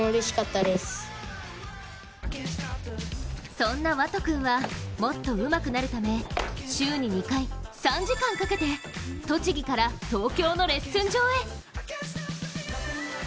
そんな湧都君はもっとうまくなるため週に２回、３時間かけて、栃木から東京のレッスン場へ。